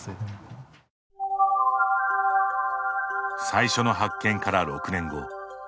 最初の発見から６年後。